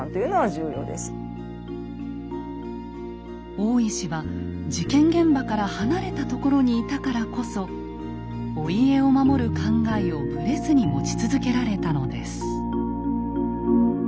大石は事件現場から離れたところにいたからこそお家を守る考えをぶれずに持ち続けられたのです。